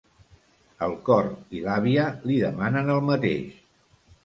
El cor i l'àvia li demanen el mateix.